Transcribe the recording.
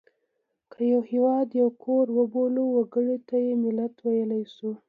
که یو هېواد یو کور وبولو وګړو ته یې ملت ویلای شو.